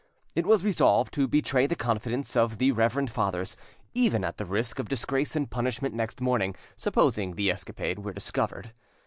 It was resolved to betray the confidence of the reverend fathers, even at the risk of disgrace and punishment next morning, supposing the escapade were discovered.